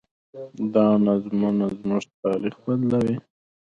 دا نظمونه زموږ تاریخ بدلوي.